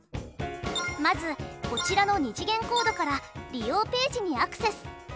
まずこちらの２次元コードから利用ページにアクセス。